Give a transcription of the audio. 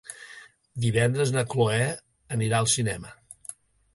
Divendres na Cloè anirà al cinema.